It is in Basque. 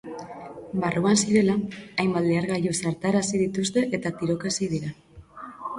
Barruan zirela, hainbat lehergailu zartarazi dituzte eta tiroka hasi dira.